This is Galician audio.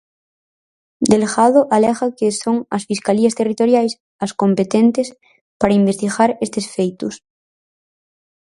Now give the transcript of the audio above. Delgado alega que son as fiscalías territoriais as competentes para investigar estes feitos.